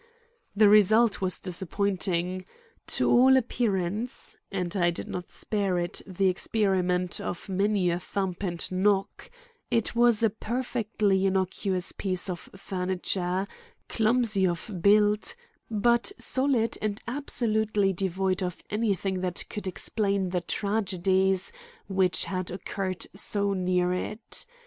The result was disappointing. To all appearance—and I did not spare it the experiment of many a thump and knock—it was a perfectly innocuous piece of furniture, clumsy of build, but solid and absolutely devoid of anything that could explain the tragedies which had occurred so near it.